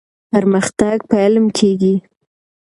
پرمختګ په علم کيږي.